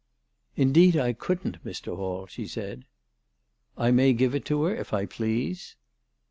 " Indeed I couldn't, Mr. Hall," she said. " I may give it to her if I please."